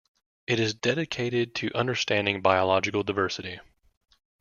It is dedicated to understanding biological diversity.